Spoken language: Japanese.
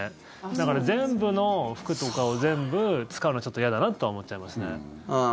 だから、全部の服とかを全部使うのは嫌だなと思っちゃいますね。